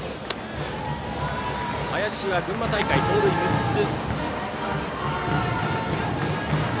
林は群馬大会、盗塁６つ。